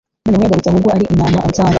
noneho yagarutse ahubwo ari intama ansanga